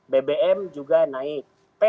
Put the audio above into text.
bbm juga naik